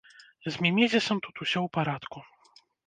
З мімезісам тут усё ў парадку.